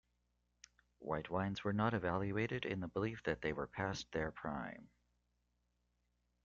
White wines were not evaluated in the belief that they were past their prime.